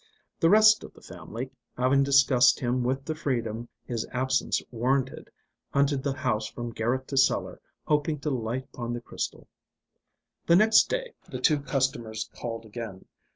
The rest of the family, having discussed him with the freedom his absence warranted, hunted the house from garret to cellar, hoping to light upon the crystal. The next day the two customers called again.